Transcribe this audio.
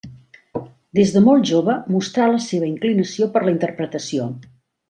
Des de molt jove mostrà la seva inclinació per la interpretació.